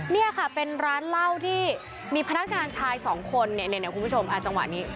นี่ค่ะเป็นร้านเหล้าที่มีพนักงานชายสองคนเนี่ยคุณผู้ชมจังหวะนี้